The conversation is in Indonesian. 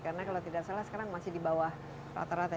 karena kalau tidak salah sekarang masih di bawah rata rata